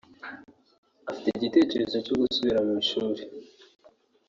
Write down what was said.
Afite igitekerezo cyo gusubira mu ishuri